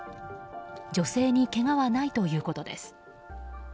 女性にけがはないということです。